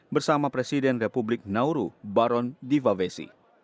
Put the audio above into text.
bersama presiden republik nauru baron divavesi